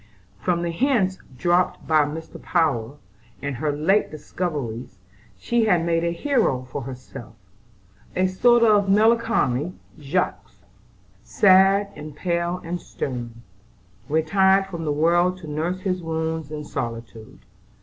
From the hints dropped by Mr. Power, and her late discoveries, she had made a hero for herself; a sort of melancholy Jaques; sad and pale and stern; retired from the world to nurse his wounds in solitude.